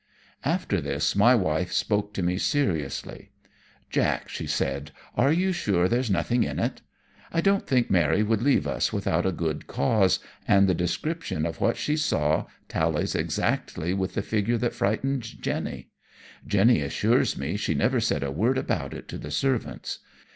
After this my wife spoke to me seriously. "Jack," she said, "are you sure there's nothing in it? I don't think Mary would leave us without a good cause, and the description of what she saw tallies exactly with the figure that frightened Jennie. Jennie assures me she never said a word about it to the servants.